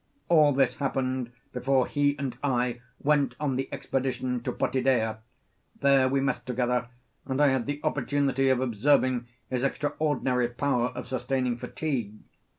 All this happened before he and I went on the expedition to Potidaea; there we messed together, and I had the opportunity of observing his extraordinary power of sustaining fatigue.